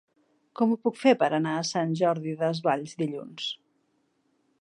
Com ho puc fer per anar a Sant Jordi Desvalls dilluns?